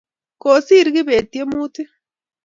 kosir kibet tiemutik